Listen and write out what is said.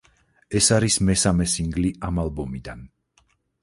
ეს არის მესამე სინგლი ამ ალბომიდან.